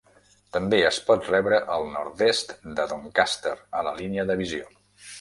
També es pot rebre al nord-est de Doncaster a la línia de visió.